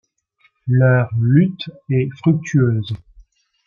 Leur lutte est fructueuse.